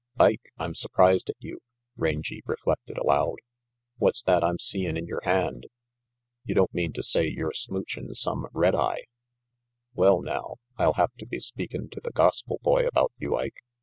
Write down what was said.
"Ike, I'm surprised at you," Rangy reflected aloud. "What's that I'm seein' in your hand? You don't mean to say you're smoochin' some red eye. Well now, I'll have to be speakin' to the gospel boy about you, Ike.